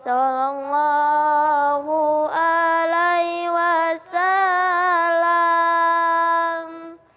salam allah alaihi wasalam